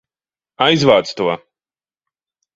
Aizvāc to!